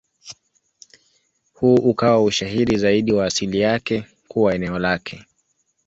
Huu ukawa ushahidi zaidi wa asili yake kuwa eneo lake.